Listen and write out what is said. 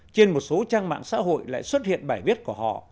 trên một số trang mạng xã hội lại xuất hiện bài viết của họ